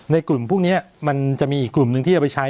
ในกลุ่มพวกนี้มันจะมีอีกกลุ่มหนึ่งที่จะไปใช้